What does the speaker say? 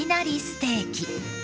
ステーキ。